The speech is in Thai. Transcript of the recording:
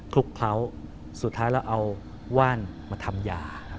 ทุกครั้วสุดท้ายแล้วเอาว่านมาทำยา